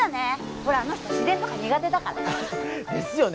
ほらあの人自然とか苦手だから。ですよね。